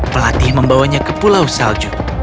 pelatih membawanya ke pulau salju